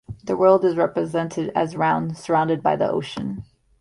The world is represented as round, surround by the ocean.